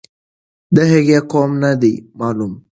د هغې قوم نه دی معلوم.